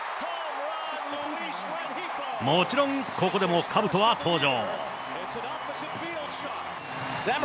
もちろんここでもかぶとは登場。